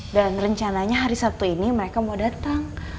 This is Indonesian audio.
dan rencananya hari sabtu ini mereka mau datang